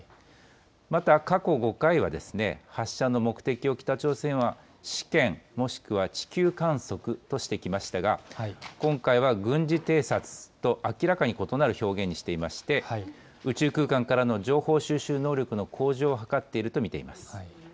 また、過去５回は、発射の目的を北朝鮮は試験、もしくは地球観測としてきましたが、今回は軍事偵察と明らかに異なる表現にしていまして、宇宙空間からの情報収集能力の向上を図っていると見ています。